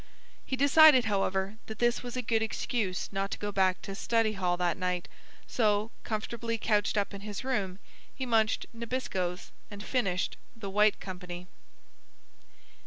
_" He decided, however, that this was a good excuse not to go back to study hall that night, so, comfortably couched up in his room, he munched Nabiscos and finished "The White Company."